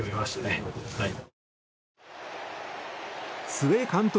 須江監督